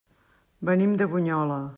Venim de Bunyola.